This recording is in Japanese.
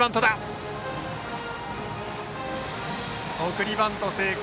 送りバント成功！